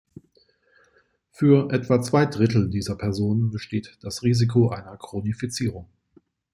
Für etwa zwei Drittel dieser Personen besteht das Risiko einer Chronifizierung.